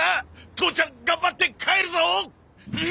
父ちゃん頑張って帰るぞ！